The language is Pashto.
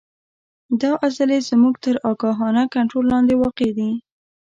دا عضلې زموږ تر آګاهانه کنترول لاندې واقع دي.